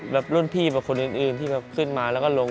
รุ่นพี่แบบคนอื่นที่แบบขึ้นมาแล้วก็ลง